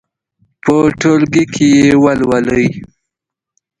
په ټولګي کې یې ولولئ.